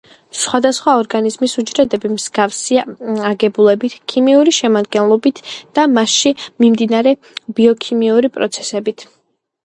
სხვადასხვა ორგანიზმის უჯრედები მსგავსია აგებულებით, ქიმიური შემადგენლობით და მასში მიმდინარე ბიოქიმიური პროცესებით.